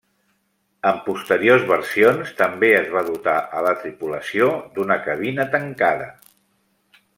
En posteriors versions també es va dotar a la tripulació d'una cabina tancada.